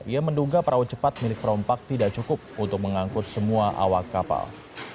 ia menduga perahu cepat milik perompak tidak cukup untuk mengangkut semua awak kapal